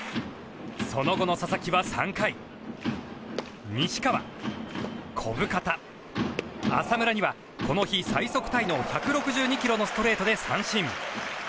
その後の佐々木は３回西川、小深田、浅村にはこの日最速タイの１６２キロのストレートで三振。